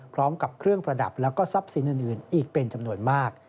พร้อมกับเครื่องประดับแล้วก็ทรัพย์สินอื่นอีกเป็นจำนวนมาก